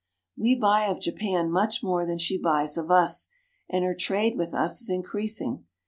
We buy of Japan much more than she buys of us, and her trade with us is increasing.